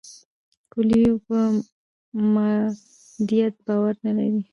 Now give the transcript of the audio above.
کویلیو په مادیت باور نه لري.